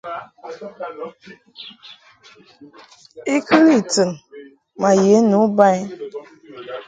I kɨli tɨn ma ye nu ba i.